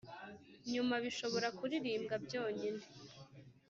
Nyuma bishobora kuririmbwa byonyine.